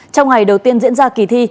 trong ngày đầu tiên diễn ra kỳ thi